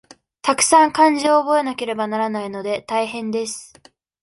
たくさん漢字を覚えなければならないので、大変です。